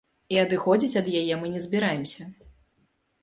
І адыходзіць ад яе мы не збіраемся.